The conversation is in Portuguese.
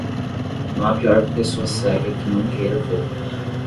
Não há pior pessoa cega que não queira ver.